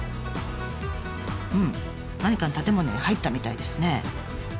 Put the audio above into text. うん何かの建物に入ったみたいですね。